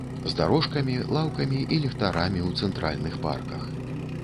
З дарожкамі, лаўкамі і ліхтарамі ў цэнтральных парках.